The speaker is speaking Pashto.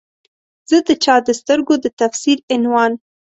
زه د چا د سترګو د تفسیر عنوان